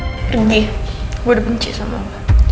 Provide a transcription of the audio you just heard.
pergi gue udah benci sama lo